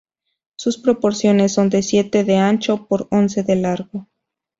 Sus proporciones son de siete de ancho por once de largo.